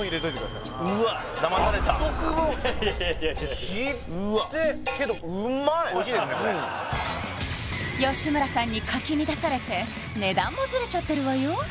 うわっだまされたおいしいですねこれ吉村さんにかき乱されて値段もズレちゃってるわよ